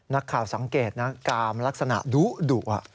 นักข่าวสังเกตนะกามลักษณะดุ